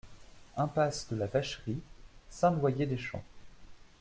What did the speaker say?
Impasse de la Vacherie, Saint-Loyer-des-Champs